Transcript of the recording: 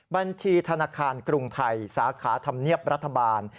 บัญชีธนาคารกรุงไทยสาขาธรรมเนียบรัฐบาล